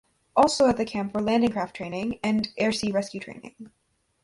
Also at the camp were landing craft training and air sea rescue training.